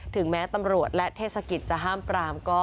ถึงแม้ตำรวจและเทศกิจจะห้ามปรามก็